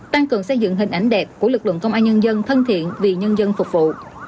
tăng cường xây dựng hình ảnh đẹp của lực lượng công an nhân dân thân thiện vì nhân dân phục vụ